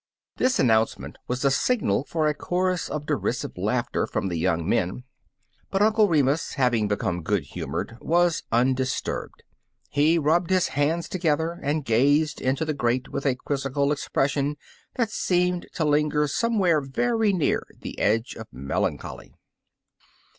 This announcement was the signal for a chorus of derisive laughter from the young men, but Uncle Remus, having become good humored, was undisturbed. He rubbed his hands together and gazed into the grate with a quizzical expression that seemed to linger somewhere veiy near the edge of melancholy.